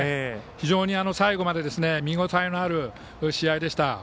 非常に最後まで見応えのある試合でした。